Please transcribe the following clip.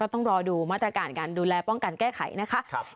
ต้องรอดูมาตรการการดูแลป้องกันแก้ไขนะคะ